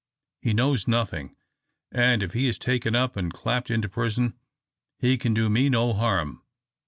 He knows nothing; and if he is taken up and clapped into prison, he can do me no harm.